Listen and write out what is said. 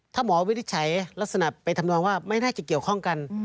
ถ้าหมอวินิจฉัยลักษณะไปทำนองว่าไม่น่าจะเกี่ยวข้องกัน